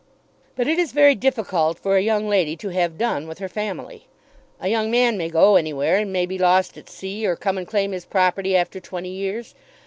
But it is very difficult for a young lady to have done with her family! A young man may go anywhere, and may be lost at sea; or come and claim his property after twenty years.